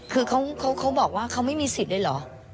คือเขาบอกว่าเขาไม่มีสิทธิ์เลยเหรอ